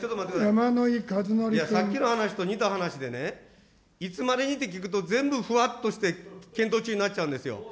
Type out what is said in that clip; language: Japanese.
さっきの話と似た話でね、いつまでにって聞くと、全部ふわっとして、検討中になっちゃうんですよ。